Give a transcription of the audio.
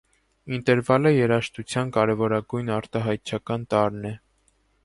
Ինտերվալը երաժշտության կարևորագույն արտահայտչական տարրն է։